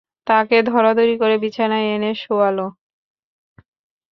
তাঁকে ধরাধরি করে বিছানায় এনে শোয়াল।